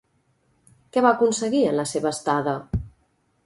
Què va aconseguir en la seva estada?